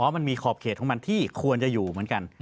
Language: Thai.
มันมีขอบเขตของมันที่ควรจะอยู่เหมือนกัน